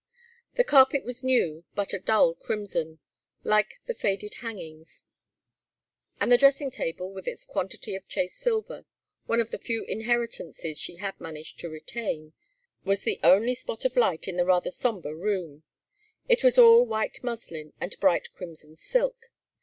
The carpet was new, but a dull crimson, like the faded hangings, and the dressing table with its quantity of chased silver one of the few inheritances she had managed to retain was the only spot of light in the rather sombre room: it was all white muslin and bright crimson silk.